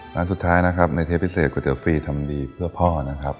ร้านสุดท้ายนะครับในเทปพิเศษก๋วเตี๋ฟรีทำดีเพื่อพ่อนะครับ